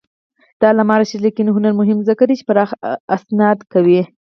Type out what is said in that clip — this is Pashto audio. د علامه رشاد لیکنی هنر مهم دی ځکه چې پراخ استناد کوي.